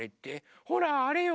ほらあれよ。